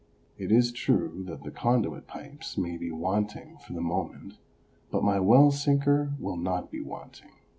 It is true that the conduit pipes may be wanting for the moment, but my well sinker will not be wanting.